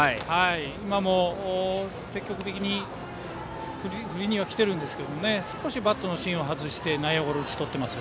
今も積極的に振りにはきていますが少しバットの芯を外して内野ゴロに打ち取っています。